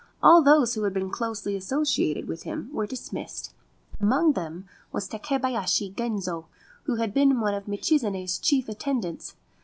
All those who had been closely associated with him were dismissed. Among them was Takebayashi Genzo, who had been one of Michizane's chief attendants.